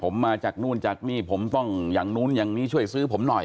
ผมมาจากนู่นจากนี่ผมต้องอย่างนู้นอย่างนี้ช่วยซื้อผมหน่อย